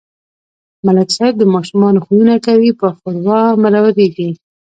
ملک صاحب د ماشومانو خویونه کوي په ښوراو مرورېږي.